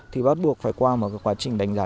thì bắt buộc phải qua một quá trình đánh giá